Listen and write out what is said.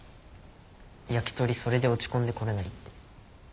ヤキトリそれで落ち込んで来れないって。